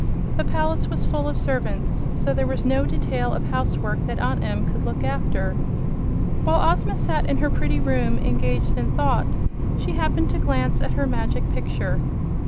The palace was full of servants, so there was no detail of housework that Aunt Em could look after. While Ozma sat in her pretty room engaged in thought she happened to glance at her Magic Picture.